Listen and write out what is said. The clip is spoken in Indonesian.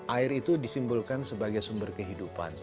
air itu disimbolkan sebagai sumber kehidupan